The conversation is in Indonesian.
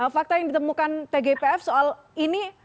fakta yang ditemukan tgpf soal ini